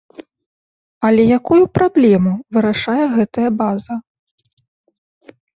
Але якую праблему вырашае гэтая база?